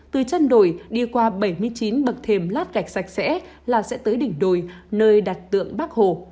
từ chân đồi đi qua bảy mươi chín bậc thềm lát gạch sạch sẽ là sẽ tới đỉnh đồi nơi đặt tượng bắc hồ